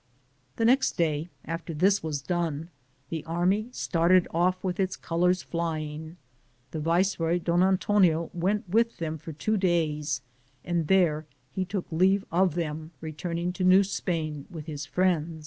The next day after this was done, the army started off with its colors fifing. The vice roy, Don Antonio, went with them for two days, and there he took leave of them, re turning to New Spain with his friends.